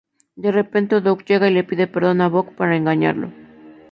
De repente, Doug llega y le pide perdón a Boog por engañarlo.